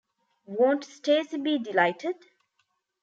Won’t Stacy be delighted?